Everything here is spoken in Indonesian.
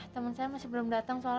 teman saya masih belum datang soalnya